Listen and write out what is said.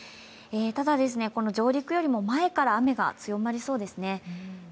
ただ、この上陸よりも前から雨が強まりそうですね。